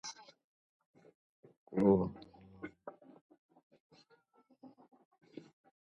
The airport serves Belize City and is the nation of Belize's main airport.